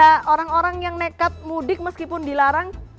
pak diki ini ada orang orang yang nekat mudik meskipun dilarang